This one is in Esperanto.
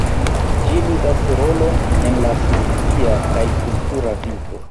Ĝi ludas rolon en la socia kaj kultura vivo.